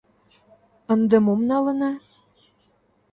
Ынде мом налына?